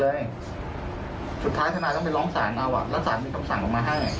สุดท้ายทนายต้องไปร้องศาลเอาอ่ะแล้วสารมีคำสั่งออกมาให้